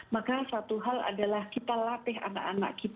maka satu hal adalah kita latih anak anak kita